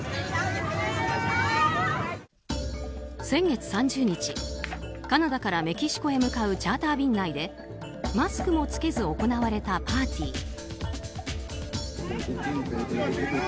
先月３０日カナダからメキシコに向かうチャーター便内でマスクも着けずに行われたパーティー。